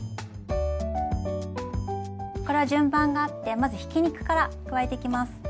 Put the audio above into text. これは順番があってまずひき肉から加えていきます。